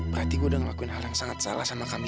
berarti gue udah ngelakuin hal yang sangat salah sama kami